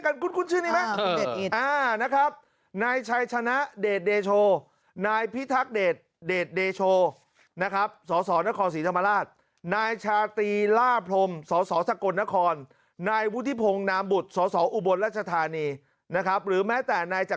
คุณคุณชื่อนี่มั้ยช่วงก่อนหน้านี้ที่เขาไปต่างประเทศกันคุณคุณชื่อนี่มั้ย